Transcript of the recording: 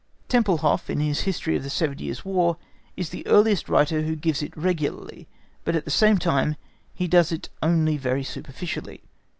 Tempelhof in his history of the Seven Years' War is the earliest writer who gives it regularly, but at the same time he does it only very superficially.